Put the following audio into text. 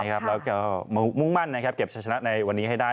แล้วก็มุ่งมั่นเก็บชะชนะในวันนี้ให้ได้